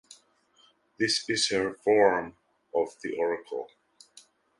This is her form of the oracle.